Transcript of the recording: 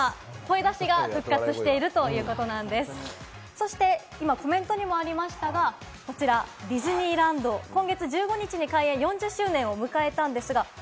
そして今コメントにもありましたが、ディズニーランド、今月１５日に開園４０周年を迎えました。